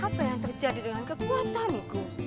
apa yang terjadi dengan kekuatanku